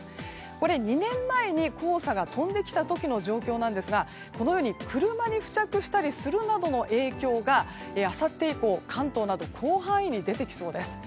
これ、２年前に黄砂が飛んできた時の状況なんですがこのように車に付着するなどの影響があさって以降、関東など広範囲に出てきそうです。